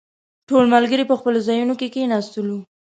ټول ملګري په خپلو ځايونو کې کښېناستلو.